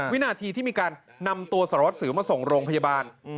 วินาทีที่มีการนำตัวสารวัสสิวมาส่งโรงพยาบาล